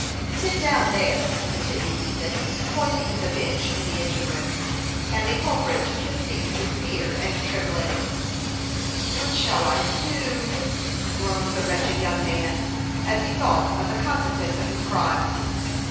" Sit down there," continued Ethan, pointing to the bench in the engine room, and the culprit took his seat with fbar and trembling. " What shall I do ?" groaned the wretched young man, as he thought of the consequence of his crime.